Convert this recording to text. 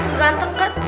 udah ganteng kan